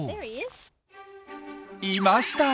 いました！